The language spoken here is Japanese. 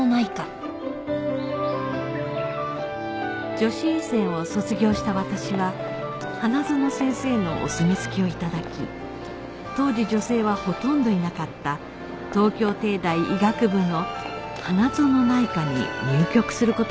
女子医専を卒業した私は花園先生のお墨付きを頂き当時女性はほとんどいなかった東京帝大医学部の花園内科に入局する事になりました